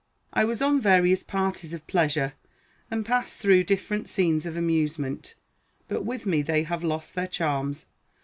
I was on various parties of pleasure, and passed through different scenes of amusement; but with me they have lost their charms.